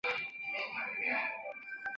卢师谛也参与谋划此事。